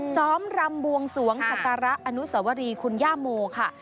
ซ้อมรำบวงสวงศักระอนุสวรีคุณย่าโมค่ะ